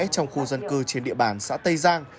trong khu dân cư trên địa bàn xã tây giang